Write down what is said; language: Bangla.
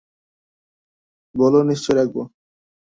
বলো, নিশ্চয় রাখব।